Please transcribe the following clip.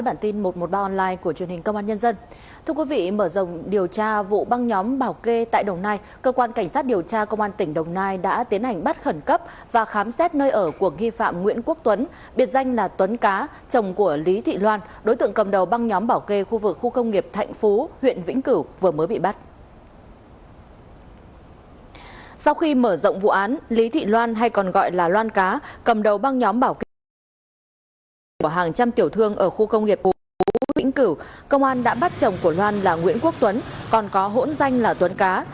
sau khi mở rộng vụ án lý thị loan hay còn gọi là loan cá cầm đầu băng nhóm bảo kê của hàng trăm tiểu thương ở khu công nghiệp u vĩnh cử công an đã bắt chồng của loan là nguyễn quốc tuấn còn có hỗn danh là tuấn cá